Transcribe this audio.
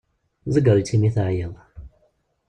Tegger-itt imi teɛyiḍ.